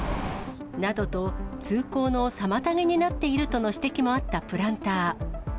などと、通行の妨げになっているとの指摘もあったプランター。